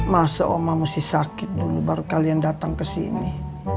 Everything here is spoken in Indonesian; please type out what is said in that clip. masa oma mesti sakit dulu baru kalian datang ke sini